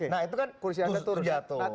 nah itu kan kursi anda turun